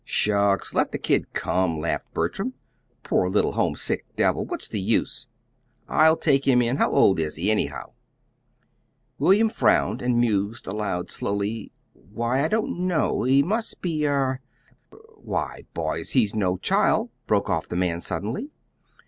"Shucks! Let the kid come," laughed Bertram. "Poor little homesick devil! What's the use? I'll take him in. How old is he, anyhow?" William frowned, and mused aloud slowly. "Why, I don't know. He must be er why, boys, he's no child," broke off the man suddenly.